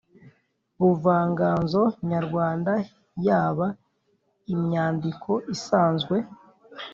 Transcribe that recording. buvanganzo nyarwanda yaba imyandiko isanzwe,